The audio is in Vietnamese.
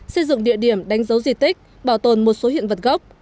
xây dựng địa điểm đánh dấu di tích bảo tồn một số hiện vật gốc